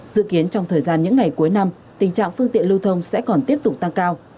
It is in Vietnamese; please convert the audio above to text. dự kiến trong thời gian những ngày cuối năm tình trạng phương tiện lưu thông sẽ còn tiếp tục tăng cao